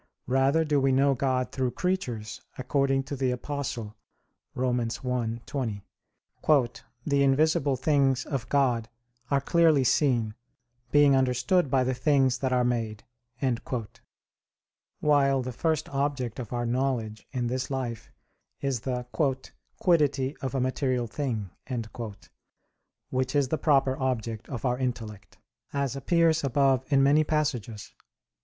Rather do we know God through creatures, according to the Apostle (Rom. 1:20), "the invisible things of God are clearly seen, being understood by the things that are made": while the first object of our knowledge in this life is the "quiddity of a material thing," which is the proper object of our intellect, as appears above in many passages (Q.